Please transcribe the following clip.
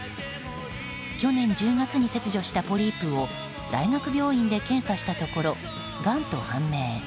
去年１０月に切除したポリープを大学病院で検査したところがんと判明。